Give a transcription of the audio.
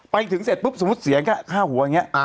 ไปถึงเสร็จปุ๊บสมมุติเสียแค่ค่าหัวอย่างนี้